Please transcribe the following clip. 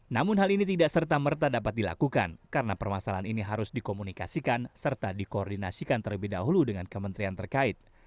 namun hal ini tidak serta merta dapat dilakukan karena permasalahan ini harus dikomunikasikan serta dikoordinasikan terlebih dahulu dengan kementerian terkait